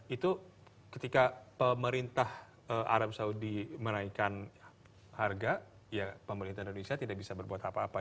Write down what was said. itu ketika pemerintah arab saudi menaikkan harga ya pemerintah indonesia tidak bisa berbuat apa apa